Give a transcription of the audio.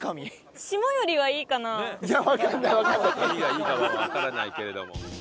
何がいいかはわからないけれども。